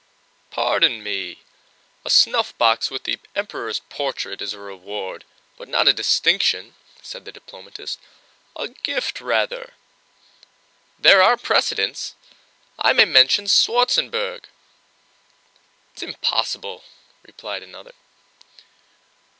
"Pardon me! A snuffbox with the Emperor's portrait is a reward but not a distinction," said the diplomatist—"a gift, rather." "There are precedents, I may mention Schwarzenberg." "It's impossible," replied another.